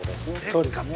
◆そうですね。